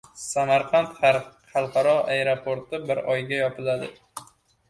Samarqand xalqaro aeroporti bir oyga yopiladi